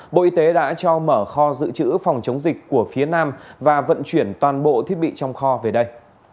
bộ y tế đã cho mở kho dự trữ phòng chống dịch của phía nam và vận chuyển toàn bộ thiết bị trong kho về đây